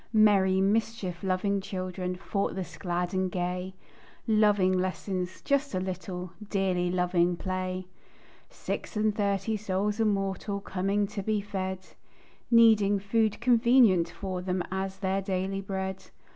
Merry, mischief loving children, Thoughtless, glad and gay, Loving lessons "just a little," Dearly loving play. Six and thirty souls immortal, Coming to be fed; Needing "food convenient for them," As their daily bread.